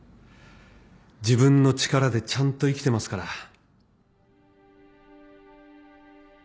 自分の力でちゃんと生きてますから